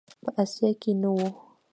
په آسیا کې نه و.